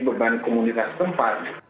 beban komunitas tempat